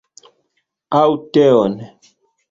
Aŭ teon?